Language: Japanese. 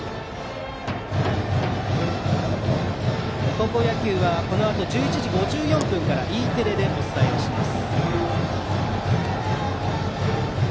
高校野球はこのあと１１時５４分からＥテレでお伝えします。